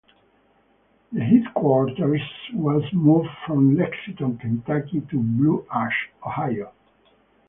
The headquarters was moved from Lexington, Kentucky to Blue Ash, Ohio.